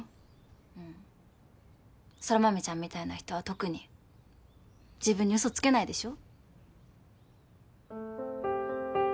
うん空豆ちゃんみたいな人は特に自分に嘘つけないでしょ？